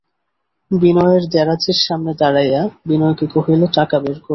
বিনয়ের দেরাজের সামনে দাঁড়াইয়া বিনয়কে কহিল, টাকা বের করো।